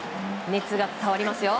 熱が伝わりますよ。